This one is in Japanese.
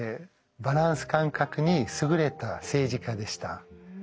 バランス感覚に優れた政治家でした。